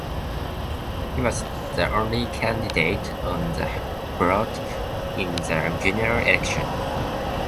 He was the only candidate on the ballot in the general election.